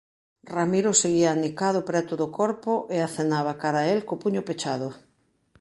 Ramiro seguía anicado preto do corpo e acenaba cara a el co puño pechado.